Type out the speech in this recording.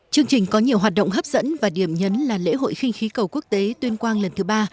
chương trình có nhiều hoạt động hấp dẫn và điểm nhấn là lễ hội khinh khí cầu quốc tế tuyên quang lần thứ ba